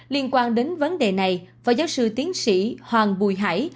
liên quan đến vấn đề này phó giáo sư tiến sĩ hoàng bùi hải